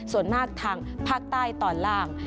ส่วนมากทางภาคใต้ตอนล่าง